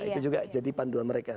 itu juga jadi panduan mereka